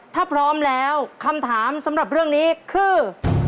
ถ้าพร้อมแล้วคำถามสำหรับเรื่องนี้คือ